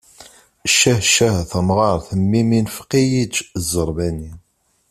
Ccah ccah a tamɣart mmi-m infeq-iyi-d ẓermani.